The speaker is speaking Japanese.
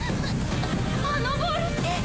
あのボールって！